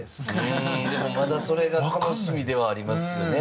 またそれが楽しみではありますよね。